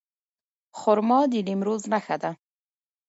خرما د نیمروز نښه ده.